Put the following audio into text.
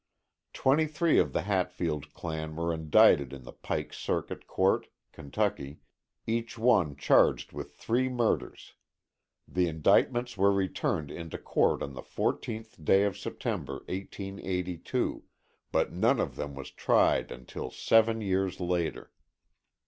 Twenty three of the Hatfield clan were indicted in the Pike Circuit Court (Kentucky), each one charged with three murders. The indictments were returned into Court on the 14th day of September, 1882, but none of them was tried until seven years later.